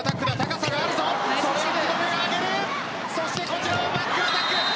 こちらバックアタック。